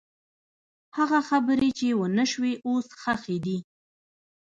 هغه خبرې چې ونه شوې، اوس ښخې دي.